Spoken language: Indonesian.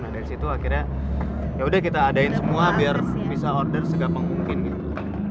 nah dari situ akhirnya ya udah kita ada in semua biar bisa order segapa mungkin gitu